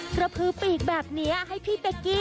กระพือปีกแบบนี้ให้พี่เป๊กกี้